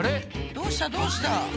どうしたどうした？